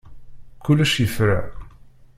Kullec yefra.